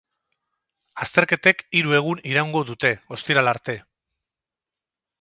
Azterketek hiru egun iraungo dute, ostirala arte.